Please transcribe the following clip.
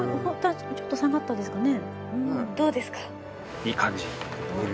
ちょっと下がったですかね？